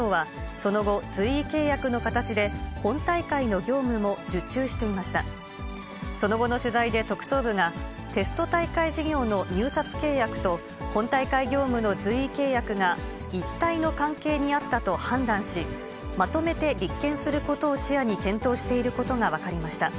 その後の取材で、特捜部が、テスト大会事業の入札契約と、本大会業務の随意契約が一体の関係にあったと判断し、まとめて立件することを視野に検討していることが分かりました。